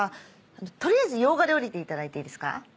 取りあえず用賀で降りていただいていいですか。